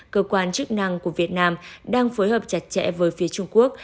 cơ quan chức năng của việt nam đang phối hợp chặt chẽ với phía trung quốc